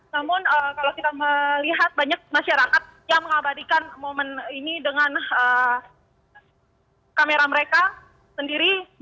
namun kalau kita melihat banyak masyarakat yang mengabadikan momen ini dengan kamera mereka sendiri